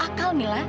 masuk akal mila